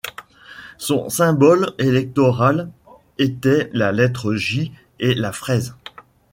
Son symbole électoral était la lettre J et la fraise.